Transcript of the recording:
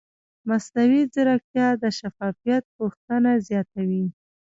مصنوعي ځیرکتیا د شفافیت غوښتنه زیاتوي.